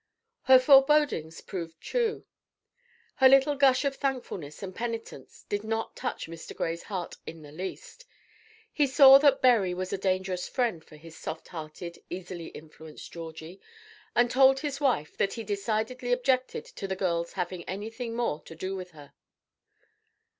Her forebodings proved true. Her little gush of thankfulness and penitence did not touch Mr. Gray's heart in the least. He saw that Berry was a dangerous friend for his soft hearted, easily influenced Georgie, and told his wife that he decidedly objected to the girls' having anything more to do with her.